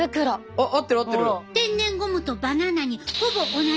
あ合ってる合ってる。